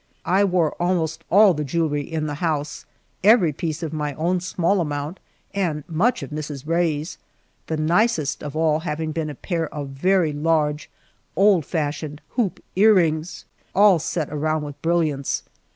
I wore almost all the jewelry in the house; every piece of my own small amount and much of Mrs. Rae's, the nicest of all having been a pair of very large old fashioned "hoop" earrings, set all around with brilliants.